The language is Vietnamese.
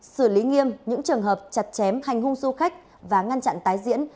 xử lý nghiêm những trường hợp chặt chém hành hung du khách và ngăn chặn tái diễn